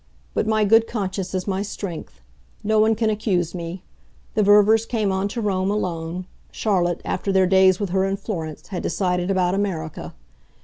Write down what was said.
But my good conscience is my strength; no one can accuse me. The Ververs came on to Rome alone Charlotte, after their days with her in Florence, had decided about America.